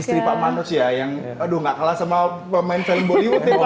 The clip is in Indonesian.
istri pak manus ya yang aduh gak kalah sama pemain film bollywood ya